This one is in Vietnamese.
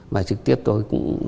và trực tiếp tôi cũng